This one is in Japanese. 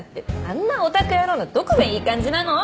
あんなオタク野郎のどこがいい感じなの！